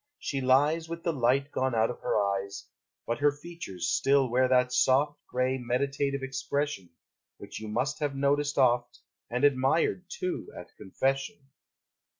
she lies With the light gone out of her eyes, But her features still wear that soft Gray meditative expression, Which you must have noticed oft, And admired too, at confession.